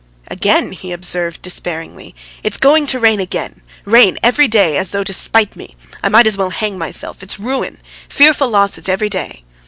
"Again!" he observed despairingly. "It's going to rain again! Rain every day, as though to spite me. I might as well hang myself! It's ruin! Fearful losses every day."